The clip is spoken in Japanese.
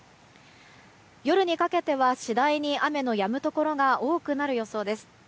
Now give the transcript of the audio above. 夜にかけては次第に雨のやむところが多くなる予想です。